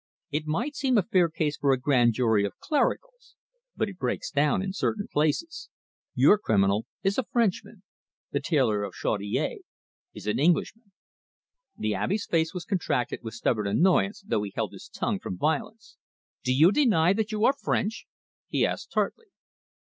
It might seem a fair case for a grand jury of clericals. But it breaks down in certain places. Your criminal is a Frenchman; the tailor of Chaudiere is an Englishman." The Abbe's face was contracted with stubborn annoyance, though he held his tongue from violence. "Do you deny that you are French?" he asked tartly.